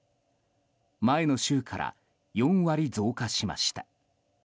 前の週から４割増加しました。